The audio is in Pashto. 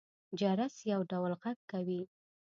جرس يو ډول غږ کوي.